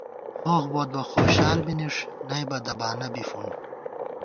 خوخ بوت بہ خوشال بی نِݭ نئیبہ دبانہ بی فُنڈ